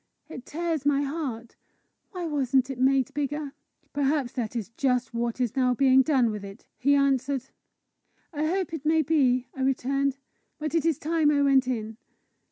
It tears my heart. Why wasn't it made bigger?" "Perhaps that is just what is now being done with it!" he answered. "I hope it may be!" I returned. " But it is time I went in."